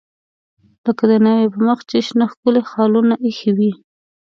لکه د ناوې په مخ چې شنه ښکلي خالونه ایښي وي.